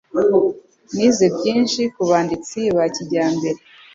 Nize byinshi kubanditsi ba kijyambere.